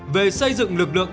về xây dựng lực lượng